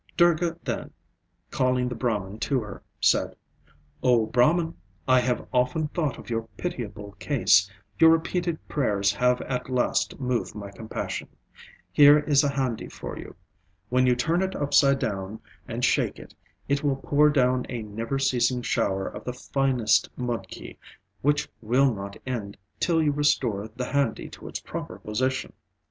Durga then, calling the Brahman to her, said, "O Brahman! I have often thought of your pitiable case. Your repeated prayers have at last moved my compassion. Here is a handi for you. When you turn it upside down and shake it, it will pour down a never ceasing shower of the finest mudki, which will not end till you restore the handi to its proper position.